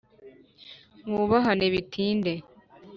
mwubahane bitinde